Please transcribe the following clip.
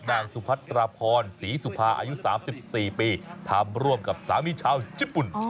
นางสุพัตราพรศรีสุภาอายุ๓๔ปีทำร่วมกับสามีชาวญี่ปุ่น